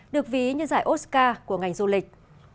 được ví như giải oscar của ngành du lịch